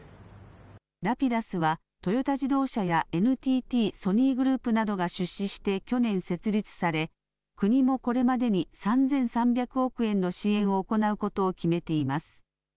Ｒａｐｉｄｕｓはトヨタ自動車やＮＴＴ、ソニーグループなどが出資して去年設立され、国もこれまでに３３００億円の支援を行うことを決めています。